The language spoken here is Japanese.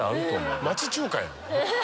町中華やん。